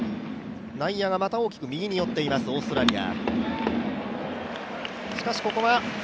内野がまた大きく右に寄っています、オーストラリア。